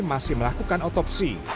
masih melakukan otopsi